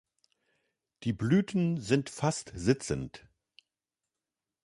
Die Blüten sind fast sitzend.